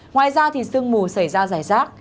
ngoài ra thì sương mù xảy ra dài rác